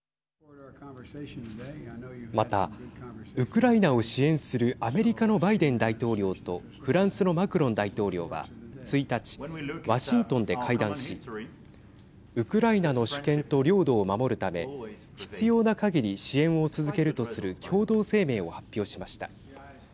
また、ウクライナを支援するアメリカのバイデン大統領とフランスのマクロン大統領は１日ワシントンで会談しウクライナの主権と領土を守るため必要なかぎり、支援を続けるとする共同声明を発表しました。